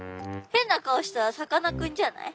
変な顔したさかなクンじゃない？